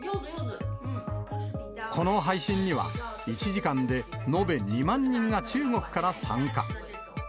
この配信には、１時間で延べ２万人が中国から参加。